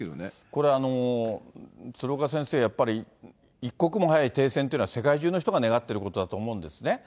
これ、鶴岡先生、やっぱり一刻も早い停戦というのは、世界中の人が願っていることだと思うんですね。